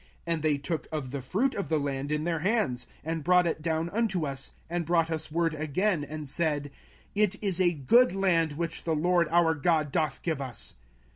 05:001:025 And they took of the fruit of the land in their hands, and brought it down unto us, and brought us word again, and said, It is a good land which the LORD our God doth give us.